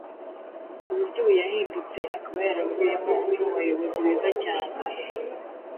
ku buryo ubu yahindutse akaba yaravuyemo umwe mu bayobozi beza cyane